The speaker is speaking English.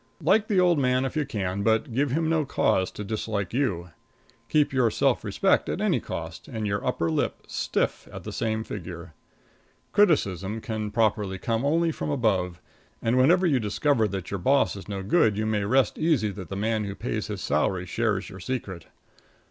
Like the old man if you can, but give him no cause to dislike you. Keep your self respect at any cost, and your upper lip stiff at the same figure. Criticism can properly come only from above, and whenever you discover that your boss is no good you may rest easy that the man who pays his salary shares your secret.